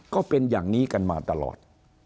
ก็เป็นอย่างนี้กันมาตลอด